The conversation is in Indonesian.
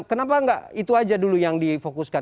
kenapa tidak itu saja dulu yang difokuskan